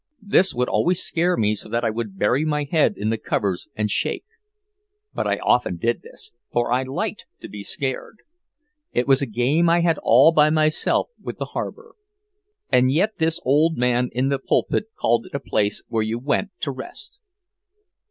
This would always scare me so that I would bury my head in the covers and shake. But I often did this, for I liked to be scared. It was a game I had all by myself with the harbor. And yet this old man in the pulpit called it a place where you went to rest!